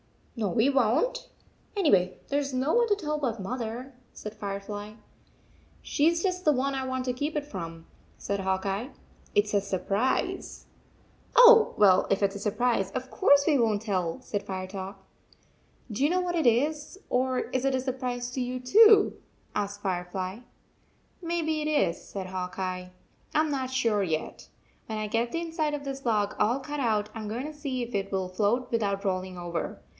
" No, we won t. Anyway, there s no one to tell but Mother," said Firefly. " She s just the one I want to keep it from," said Hawk Eye. " It s a surprise." " Oh, well, if it is a surprise, of course we won t tell," said Firetop. 141 44 Do you know what it is, or is it a sur prise to you too? asked Firefly. 44 Maybe it is," said Hawk Eye. " I m not sure yet. When I get the inside of this log all cut out, I m going to see if it will float without rolling over.